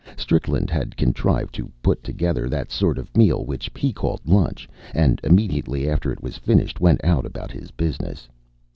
Strickland had contrived to put together that sort of meal which he called lunch, and immediately after it was finished went out about his business.